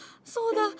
そうだ！